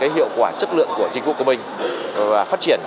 hiệu quả chất lượng của dịch vụ của mình